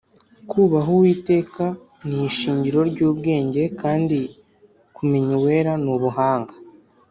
“kūbaha uwiteka ni ishingiro ry’ubwenge, kandi kumenya uwera ni ubuhanga